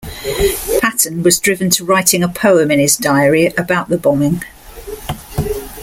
Patton was driven to writing a poem in his diary about the bombing.